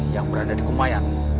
yang berada di kumayan